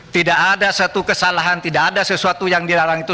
tidak ada satu kesalahan tidak ada sesuatu yang dilarang itu